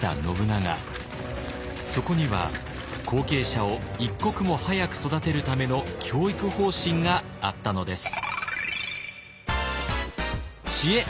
そこには後継者を一刻も早く育てるための教育方針があったのです。